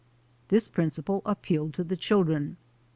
This principle appealed to the children.